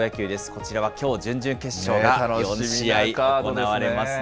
こちらはきょう、準々決勝が４試合行われますね。